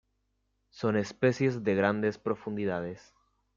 Son especies de grandes profundidades.